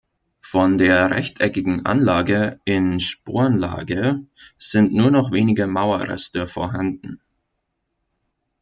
Von der rechteckigen Anlage in Spornlage sind nur noch wenige Mauerreste vorhanden.